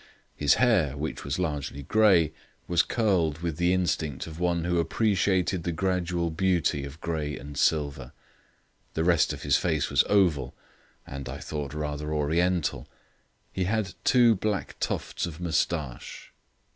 His hair, which was largely grey, was curled with the instinct of one who appreciated the gradual beauty of grey and silver. The rest of his face was oval and, I thought, rather Oriental; he had two black tufts of moustache.